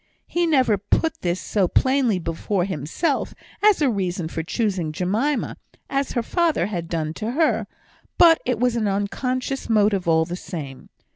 He never put this so plainly before himself, as a reason for choosing Jemima, as her father had done to her; but it was an unconscious motive all the same.